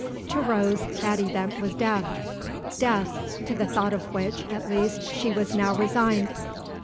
To Rose that event was death death, to the thought of which, at least, she was now resigned.